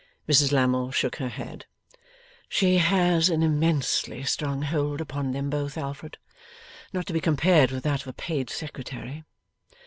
Mrs Lammle shook her head. 'She has an immensely strong hold upon them both, Alfred. Not to be compared with that of a paid secretary.